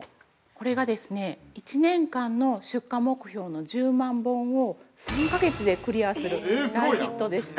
◆これがですね１年間の出荷目標の１０万本を３か月でクリアする大ヒットでした。